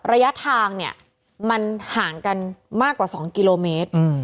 ระยะทางเนี่ยมันห่างกันมากกว่า๒กิโลเมตร